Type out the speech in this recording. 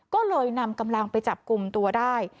ก็เลยนำกำลังไปจับกลุ่มตัวได้